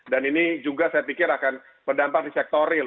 dan ini juga saya pikir akan berdampak di sektor real